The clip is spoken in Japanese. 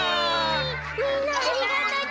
みんなありがとち！